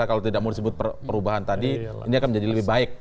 kalau tidak mau disebut perubahan tadi ini akan menjadi lebih baik